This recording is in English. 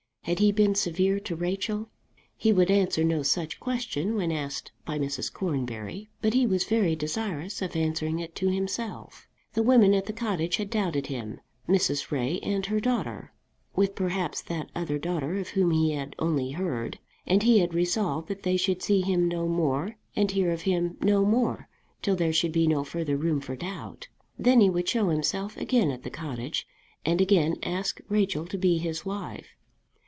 Had he been severe to Rachel? He would answer no such question when asked by Mrs. Cornbury, but he was very desirous of answering it to himself. The women at the cottage had doubted him, Mrs. Ray and her daughter, with perhaps that other daughter of whom he had only heard; and he had resolved that they should see him no more and hear of him no more till there should be no further room for doubt. Then he would show himself again at the cottage, and again ask Rachel to be his wife.